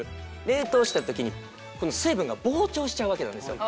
冷凍した時に水分が膨張しちゃうわけなんですよ。